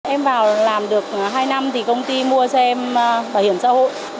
em vào làm được hai năm thì công ty mua cho em bảo hiểm xã hội